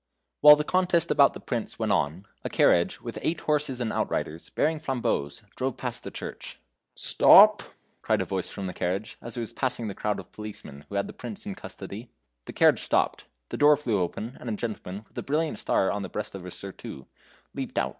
While the contest about the Prince went on, a carriage, with eight horses and outriders, bearing flambeaux, drove past the church. "Stop!" said a voice from the carriage, as it was passing the crowd of policemen who had the Prince in custody. The carriage stopped. The door flew open, and a gentleman, with a brilliant star on the breast of his surtout, leaped out.